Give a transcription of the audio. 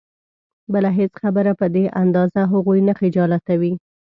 بله هېڅ خبره په دې اندازه هغوی نه خجالتوي.